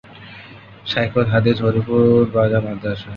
শায়খুল হাদিস হরিপুর বাজার মাদরাসা।